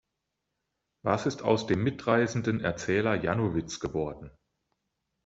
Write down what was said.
Was ist aus dem mitreißenden Erzähler Janowitz geworden?